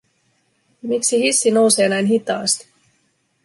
Miksi hissi nousee näin hitaasti?